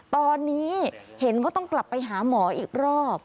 ตอนนี้เห็นว่าต้องกลับไปหาหมออีกรอบ